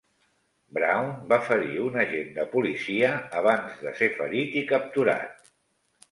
Brown va ferir un agent de policia abans de ser ferit i capturat.